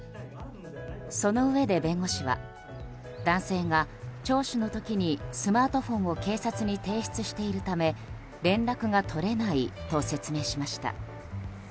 そのうえで、弁護士は男性が聴取の時にスマートフォンを警察に提出しているため連絡が取れないと説明しました。